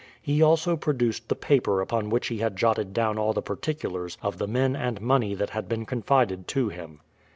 He also produced the paper upon which he had jotted down all the particulars of the men and money that had been confided to him.